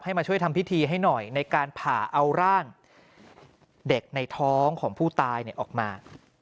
มาช่วยทำพิธีให้หน่อยในการผ่าเอาร่างเด็กในท้องของผู้ตายออกมา